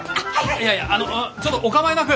いやいやちょっとお構いなく！